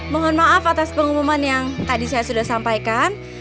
mohon maaf atas pengumuman yang tadi saya sudah sampaikan